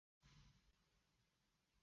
دغه کليوال څنګه بريالي شول؟